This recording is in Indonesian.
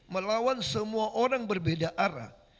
melawan semua orang berbeda arah